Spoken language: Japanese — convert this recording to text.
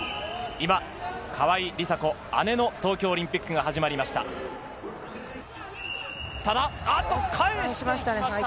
今、川井梨紗子、姉の東京オリンピックが始まりました。